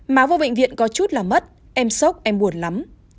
má vào bệnh viện có chút là mất em sốc em buồn lắm